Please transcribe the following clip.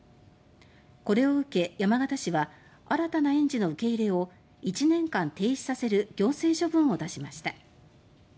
これを受け山形市は新たな園児の受け入れを１年間停止させる行政処分を出しました。